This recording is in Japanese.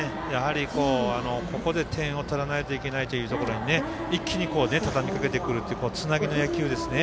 ここで点を取らないといけないというところで一気にたたみかけてくるというつなぎの野球ですね。